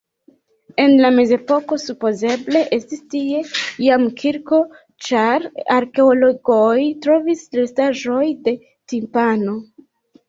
En la mezepoko supozeble estis tie jam kirko, ĉar arkeologoj trovis restaĵon de timpano.